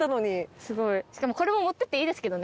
しかもこれも持ってっていいですけどね